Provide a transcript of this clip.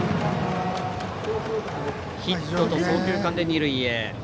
ヒットと送球間で二塁へ。